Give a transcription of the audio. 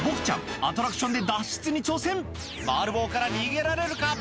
アトラクションで脱出に挑戦回る棒から逃げられるか？